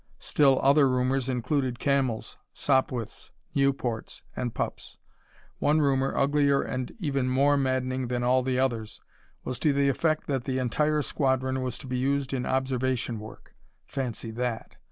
Still other rumors included Camels, Sopwiths, Nieuports and Pups. One rumor, uglier and more maddening than all the others, was to the effect that the entire squadron was to be used in observation work. Fancy that!